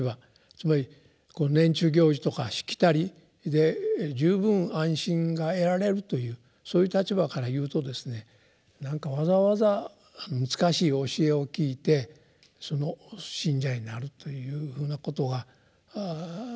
つまり年中行事とかしきたりで十分安心が得られるというそういう立場から言うとですねなんかわざわざ難しい教えを聞いてその信者になるというふうなことが何か不自然な感じがするんでしょうね。